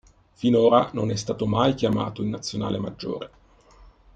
Finora non è stato mai chiamato in Nazionale maggiore.